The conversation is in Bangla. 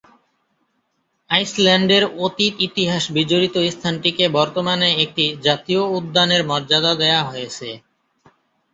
আইসল্যান্ডের অতীত ইতিহাস-বিজড়িত স্থানটিকে বর্তমানে একটি জাতীয় উদ্যানের মর্যাদা দেয়া হয়েছে।